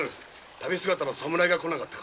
旅姿の侍が来なかったか？